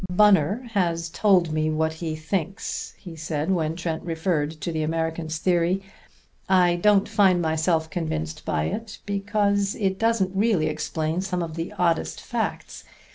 "Bunner has told me what he thinks," he said when Trent referred to the American's theory. "I don't find myself convinced by it, because it doesn't really explain some of the oddest facts.